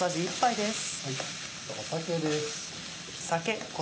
酒です。